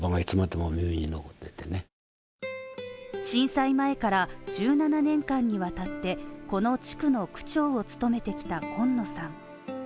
震災前から１７年間にわたってこの地区の区長を務めてきた今野さん。